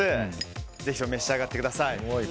ぜひとも召し上がってください。